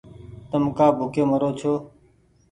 تم ڪآ ڀوڪي مرو ڇو